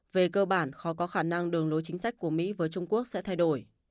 về cơ bản khó có khả năng đường lối chính sách của mỹ với trung quốc sẽ thay đổi